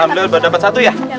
alhamdulillah baru dapat satu ya